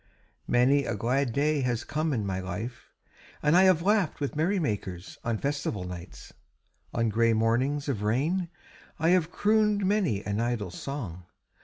Many a glad day has come in my life, and I have laughed with merrymakers on festival nights. On grey mornings of rain I have crooned many an idle song.